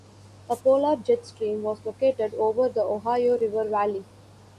A polar jet stream was located over the Ohio River valley.